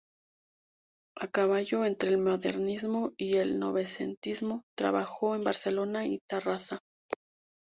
A caballo entre el modernismo y el novecentismo, trabajó en Barcelona y Tarrasa.